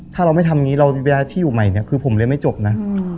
ถ้าเราไม่ทำอย่างนี้เวลาที่อยู่ใหม่เนี่ยคือผมเรียนไม่จบนะ